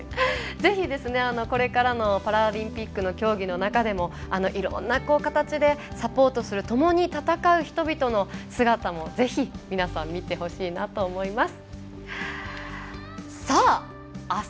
ぜひ、これからのパラリンピックの競技の中でもいろんな形でサポートするともに戦う人々の姿をぜひ、皆さん見てほしいなと思います。